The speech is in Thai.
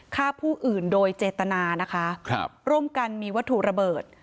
ฆ่าผู้อื่นโดยเจตนานะคะครับร่วมกันมีวัตถุระเบิด